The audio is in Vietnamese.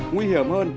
nguy hiểm hơn